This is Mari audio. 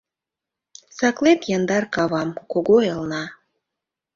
Саклет яндар кавам, Кугу элна.